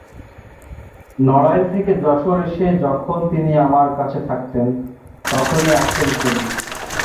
নড়াইল থেকে যশোর এসে যখন তিনি আমার কাছে থাকতেন, তখনই আঁকতেন ছবি।